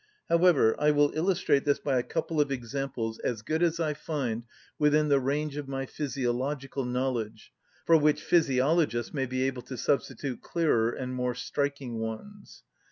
However, I will illustrate this by a couple of examples as good as I find within the range of my physiological knowledge, for which physiologists may be able to substitute clearer and more striking ones.